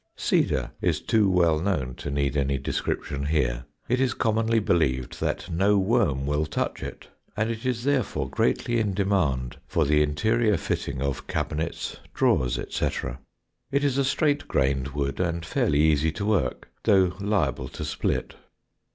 Cedar is too well known to need any description here. It is commonly believed that no worm will touch it, and it is therefore greatly in demand for the interior fitting of cabinets, drawers, etc. It is a straight grained wood and fairly easy to work, though liable to split.